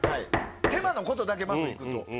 手間のことだけまずいくと。